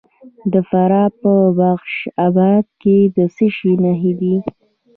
د فراه په بخش اباد کې د څه شي نښې دي؟